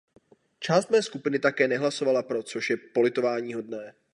Část mé skupiny také nehlasovala pro, což je politováníhodné.